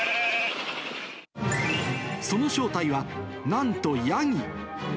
その正体は、なんとヤギ。